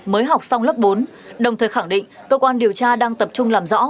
mới học xong lớp bốn đồng thời khẳng định cơ quan điều tra đang tập trung làm rõ